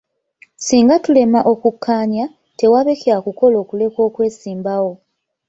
Singa tulema okukkanya, tewaabe kyakukola okuleka okwesimbawo